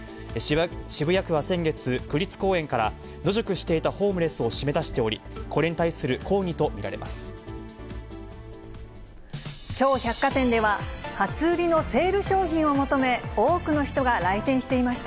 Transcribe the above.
渋谷区は先月、区立公園から野宿していたホームレスをしめだしており、これに対きょう、百貨店では、初売りのセール商品を求め、多くの人が来店していました。